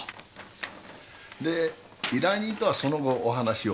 で依頼人とはその後お話を？